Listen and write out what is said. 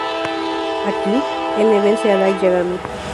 Aquí, L vence a Light Yagami.